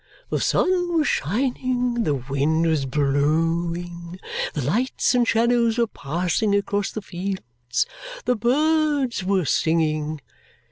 The sun was shining, the wind was blowing, the lights and shadows were passing across the fields, the birds were singing."